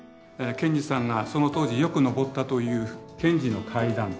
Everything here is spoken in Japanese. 賢治さんがその当時よく上ったという「賢治の階段」。